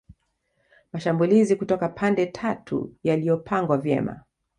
Mashambulizi kutoka pande tatu yaliyopangwa vyema